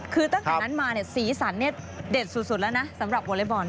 คือตั้งแต่นั้นมาสีสันเด็ดสุดแล้วนะสำหรับวอเล็กบอล